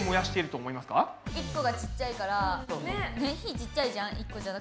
１個がちっちゃいから火ちっちゃいじゃん１個じゃ。